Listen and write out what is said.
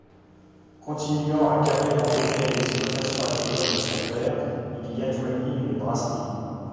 Continuant à Cappelle-en-Pévèle l'exploitation agricole de son père, il y adjoignit une brasserie.